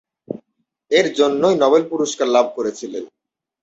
এর জন্যই নোবেল পুরস্কার লাভ করেছিলেন।